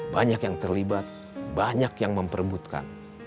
banyak yang terlibat banyak yang memperbutkan